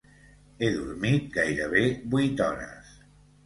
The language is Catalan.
He dormit gairebé vuit hores.